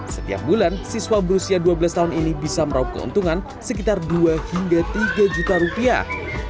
setiap bulan siswa berusia dua belas tahun ini bisa meraup keuntungan sekitar dua hingga tiga juta rupiah